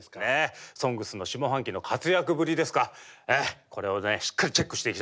「ＳＯＮＧＳ」の下半期の活躍ぶりですかこれをしっかりチェックしていきたい。